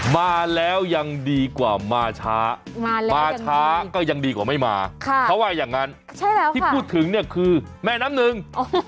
มาแล้วยังดีกว่ามาช้ามาช้าก็ยังดีกว่าไม่มาเขาว่าอย่างนั้นที่พูดถึงเนี่ยคือแม่น้ำหนึ่ง